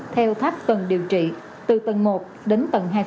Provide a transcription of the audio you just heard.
theo tháp tầng điều trị từ tầng một đến tầng hai